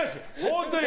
本当に。